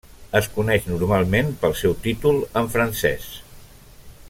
Es coneix normalment pel seu títol en francès.